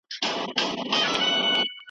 لا به تر کله دا لمبې بلېږي